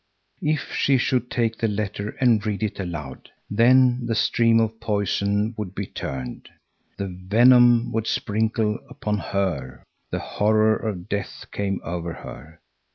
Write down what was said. If she should take the letter and read it aloud, then the stream of poison would be turned. The venom would sprinkle upon her. The horror of death came over her.